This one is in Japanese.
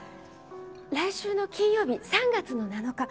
来週の金曜日３月の７日。